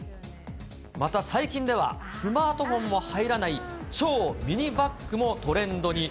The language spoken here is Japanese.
また最近では、スマートフォンも入らない超ミニバッグもトレンドに。